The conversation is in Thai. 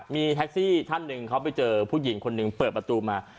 มีแท็กซี่ท่านหนึ่งเขาไปเจอผู้หญิงคนหนึ่งเปิดประตูมา